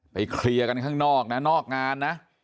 เคลียร์กันข้างนอกนะนอกงานนะ